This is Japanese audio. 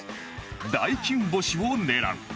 大金星を狙う